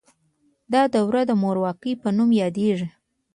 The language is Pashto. دا دوره د مورواکۍ په نوم یادیده.